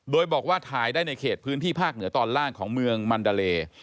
โดยบอกว่าถ่ายได้ในเขตพื้นที่ภาคเหนือตอนล่างของเมืองมันดาเล